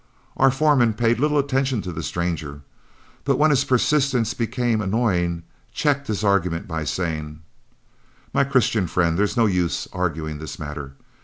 Our foreman paid little attention to the stranger, but when his persistence became annoying checked his argument by saying, "My Christian friend, there's no use arguing this matter.